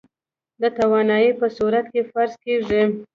د توانايي په صورت کې فرض کېږي.